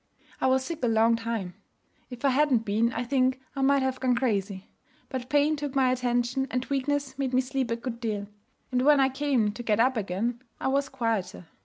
'I was sick a long time. If I hadn't been, I think I might have gone crazy. But pain took my attention, and weakness made me sleep a good deal; and when I came to get up again, I was quieter.